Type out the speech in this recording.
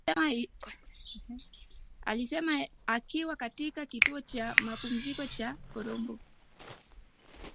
alisema akiwa katika kituo cha mapumziko cha Horombo